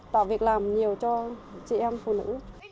tạo việc làm nhiều cho chị em phụ nữ